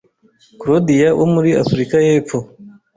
Claudia wo muri Afurika y’Epfo.